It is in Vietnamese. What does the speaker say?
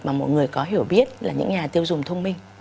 mà mọi người có hiểu biết là những nhà tiêu dùng thông minh